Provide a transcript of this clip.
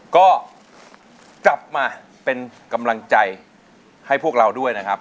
ก็กลับมาเป็นกำลังใจให้พวกเราด้วยนะครับ